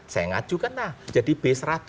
saya ngajukan nah jadi b seratus